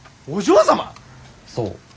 そう。